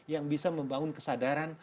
yang bisa membangun kesadaran